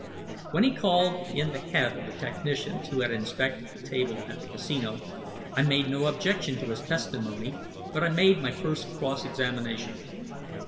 When he called in the head of the technicians who had inspected the table at the casino, I made no objection to his testimony, but I made my first cross examination.